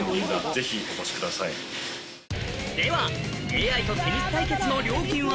ではＡＩとテニス対決の料金は？